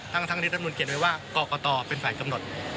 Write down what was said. ทั้งที่รัฐมนุนเขียนไว้ว่ากรกตเป็นฝ่ายกำหนด